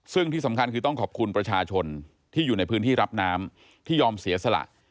ซึ่งที่สำคัญคือต้องขอบคุณประชาชนที่อยู่ในพื้นที่รับน้ำที่ยอมเสียสละ